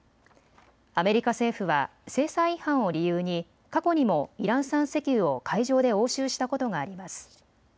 アメリカ政府は制裁違反を理由に過去にもイラン産石油を海上で押収したことがあります。